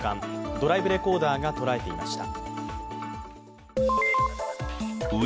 ドライブレコーダーが捉えていました。